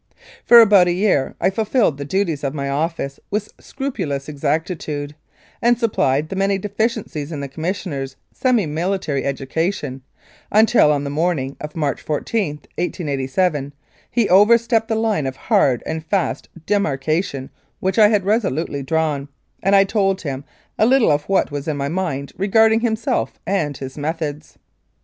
For about a year I fulfilled the duties of my office with scrupulous exactitude, and supplied the many deficiencies in the Commissioner's semi military educa tion, until on the morning of March 14, 1887, he overstepped the line of hard and fast demarcation which I had resolutely drawn, and I told him a little of what was in my mind regarding himself and his methods.